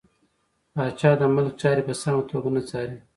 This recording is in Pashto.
پاچا د ملک چارې په سمه توګه نه څاري .